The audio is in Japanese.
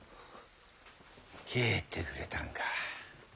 帰ってくれたんか。